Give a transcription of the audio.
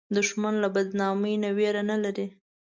دښمن له بدنامۍ نه ویره نه لري